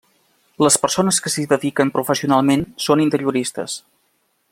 Les persones que s'hi dediquen professionalment són interioristes.